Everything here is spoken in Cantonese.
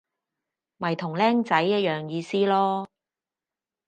咪同僆仔一樣意思囉